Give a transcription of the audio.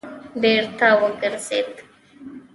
بېرته وګرځېد.